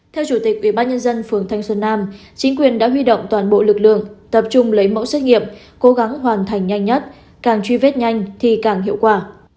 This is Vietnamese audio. theo chủ tịch ubnd phường thanh xuân nam chính quyền đã huy động toàn bộ lực lượng tập trung lấy mẫu xét nghiệm cố gắng hoàn thành nhanh nhất càng truy vết nhanh thì càng hiệu quả